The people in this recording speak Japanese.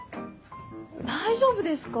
大丈夫ですか？